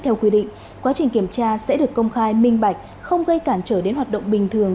theo quy định quá trình kiểm tra sẽ được công khai minh bạch không gây cản trở đến hoạt động bình thường